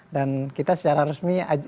dan kita secara resmi